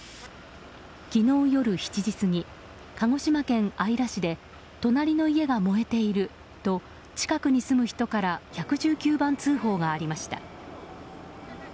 昨日夜７時過ぎ鹿児島県姶良市で隣の家が燃えていると近くに住む人から１１９番通報がありました。